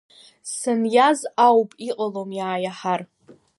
Саниз ауп иҟалом иааиаҳар.